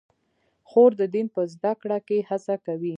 خور د دین په زده کړه کې هڅه کوي.